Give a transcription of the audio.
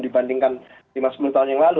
dibandingkan lima sepuluh tahun yang lalu